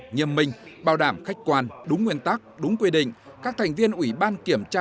nghiêm minh bảo đảm khách quan đúng nguyên tắc đúng quy định các thành viên ủy ban kiểm tra